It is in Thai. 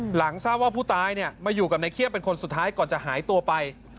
หลังทราบว่าผู้ตายมาอยู่กับในเขี้ยเป็นคนสุดท้ายก่อนจะหายตัวไป